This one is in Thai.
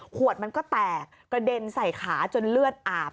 ขวดมันก็แตกกระเด็นใส่ขาจนเลือดอาบ